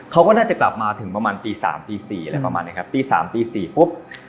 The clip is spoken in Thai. เขาก็น่าจะกลับมาถึงประมาณตีสามตีสี่อะไรประมาณนี้ครับตีสามตีสี่ปุ๊บ